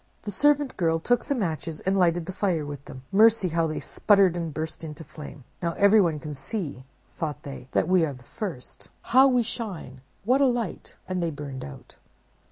"The servant girl took the Matches and lighted the fire with them. mercy! how they sputtered and burst out into flame! 'Now everyone can see,' thought they, 'that we are the first. How we shine! what a light!'—and they burned out."